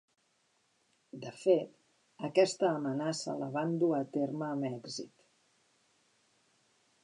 De fet, aquesta amenaça la van dur a terme amb èxit.